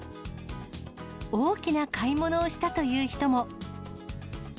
大きな買い物をしたという人も。